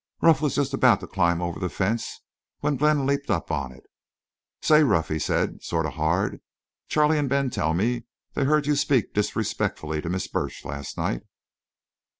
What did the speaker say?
Ruff was just about to climb out over the fence when Glenn leaped up on it." "'Say, Ruff,' he said, sort of hard, 'Charley an' Ben tell me they heard you speak disrespectfully to Miss Burch last night.